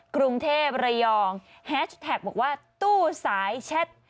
กรุงเทพระยองแฮชแท็กบอกว่าตู้สายแชท